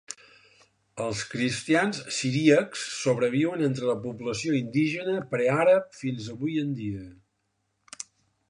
Els cristians siríacs sobreviuen entre la població indígena pre-àrab fins avui en dia.